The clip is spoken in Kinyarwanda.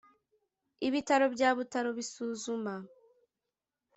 Ibitaro bya Butaro bisuzuma